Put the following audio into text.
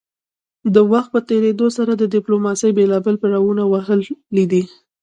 د وخت په تیریدو سره ډیپلوماسي بیلابیل پړاونه وهلي دي